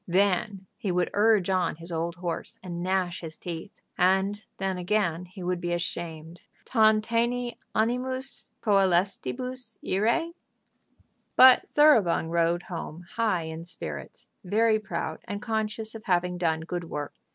Then he would urge on his old horse, and gnash his teeth; and then, again, he would be ashamed. "Tantaene animis coelestibus irae?" But Thoroughbung rode home high in spirits, very proud, and conscious of having done good work.